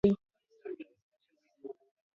دا حديث يو هراړخيز اصول دی.